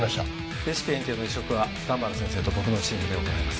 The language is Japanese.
レシピエントへの移植は段原先生と僕のチームで行います。